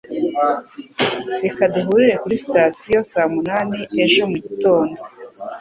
Reka duhurire kuri sitasiyo saa munani ejo mugitondo.